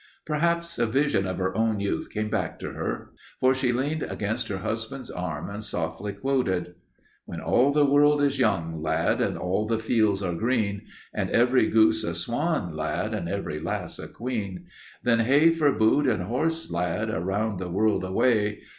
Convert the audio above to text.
Perhaps a vision of her own youth came back to her, for she leaned against her husband's arm and softly quoted: "When all the world is young, lad, And all the fields are green, And every goose a swan, lad, And every lass a queen; Then hey, for boot and horse, lad! Around the world away!